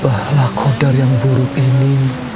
ubahlah kodar yang buruk ini